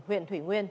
huyện thủy nguyên